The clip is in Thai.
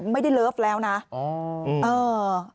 ไม่ได้เลิฟแล้วนะอ๋อเออ